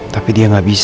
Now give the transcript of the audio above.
tapi dia gak bisa